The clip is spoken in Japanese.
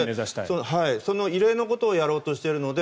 その異例のことをやろうとしているので